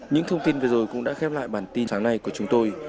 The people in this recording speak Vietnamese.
những thông tin vừa rồi cũng đã khép lại bản tin sáng nay của chúng tôi